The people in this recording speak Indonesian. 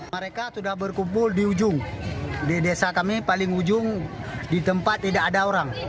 mereka sudah berkumpul di ujung di desa kami paling ujung di tempat tidak ada orang